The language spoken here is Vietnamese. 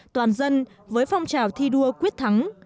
toàn dân với phong trào thi đua quyết thắng